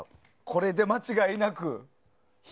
これで間違いなく。